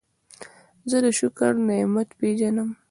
زه د شکر نعمت پېژنم.